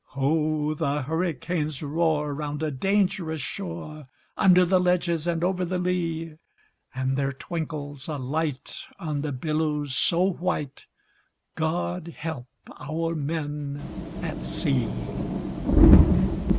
Ho! the hurricanes roar round a dangerous shore, Under the ledges and over the lea; And there twinkles a light on the billows so white God help our men at sea!